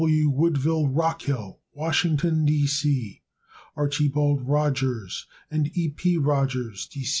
W. Woodville Rockhill, Washington, D. C. Archibald Rogers, Hyde Park, N. Y. E. P.